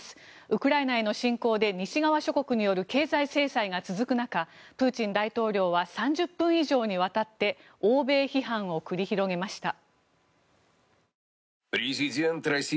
ウクライナへの侵攻で西側諸国による経済制裁が続く中プーチン大統領は３０分以上にわたって欧米批判を繰り広げました。